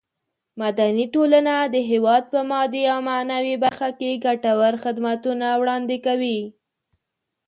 مدني ټولنه د هېواد په مادي او معنوي برخه کې ګټور خدمتونه وړاندې کوي.